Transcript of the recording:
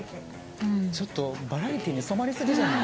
ちょっとバラエティーに染まりすぎじゃない？